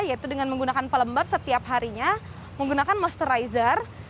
yaitu dengan menggunakan pelembab setiap harinya menggunakan monsterizer